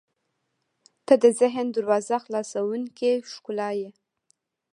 • ته د ذهن دروازه خلاصوونکې ښکلا یې.